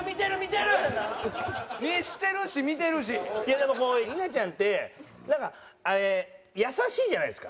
いやでもこう稲ちゃんってなんか優しいじゃないですか。